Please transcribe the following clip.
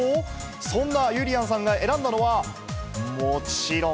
そんなゆりやんさんが選んだのは、もちろん。